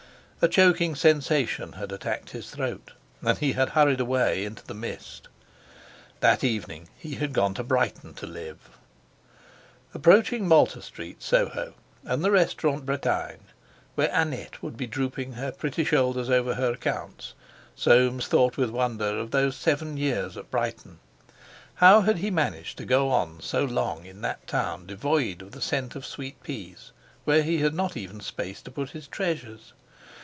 A choking sensation had attacked his throat, and he had hurried away into the mist. That evening he had gone to Brighton to live.... Approaching Malta Street, Soho, and the Restaurant Bretagne, where Annette would be drooping her pretty shoulders over her accounts, Soames thought with wonder of those seven years at Brighton. How had he managed to go on so long in that town devoid of the scent of sweetpeas, where he had not even space to put his treasures?